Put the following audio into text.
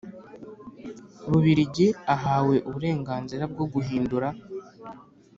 Bubiligi ahawe uburenganzira bwo guhindura